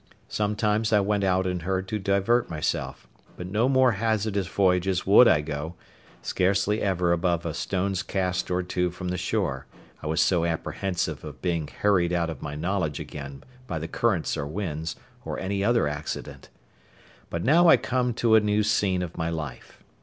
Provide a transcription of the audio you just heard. Sometimes I went out in her to divert myself, but no more hazardous voyages would I go, scarcely ever above a stone's cast or two from the shore, I was so apprehensive of being hurried out of my knowledge again by the currents or winds, or any other accident. But now I come to a new scene of my life.